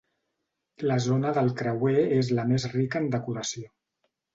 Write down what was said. La zona del creuer és la més rica en decoració.